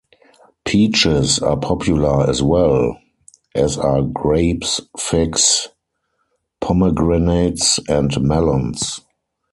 Peaches are popular as well, as are grapes, figs, pomegranates, and melons.